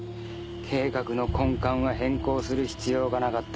計画の根幹は変更する必要がなかった。